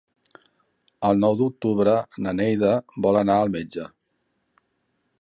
El nou d'octubre na Neida vol anar al metge.